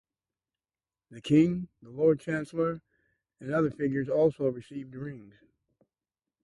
The King, the Lord Chancellor and other figures also received rings.